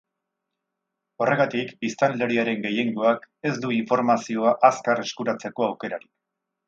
Horregatik, biztanleriaren gehiengoak ez du informazioa azkar eskuratzeko aukerarik.